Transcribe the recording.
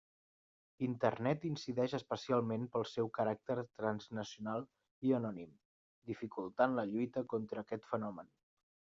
Internet incideix especialment pel seu caràcter transnacional i anònim, dificultant la lluita contra aquest fenomen.